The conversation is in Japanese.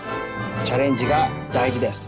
チャレンジがだいじです。